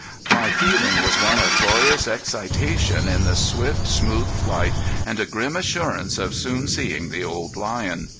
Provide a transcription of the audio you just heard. My feeling was one of glorious excitation in the swift, smooth flight and a grim assurance of soon seeing the old lion.